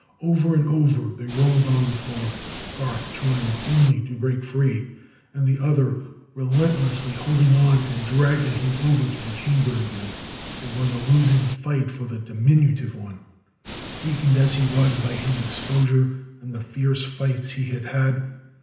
Over and over they rolled on the floor. Garth trying only to break free, and the other relentlessly holding on and dragging him over to the chamber again. It was a losing fight for the diminutive one, weakened as he was by his exposure and the fierce fights he had had.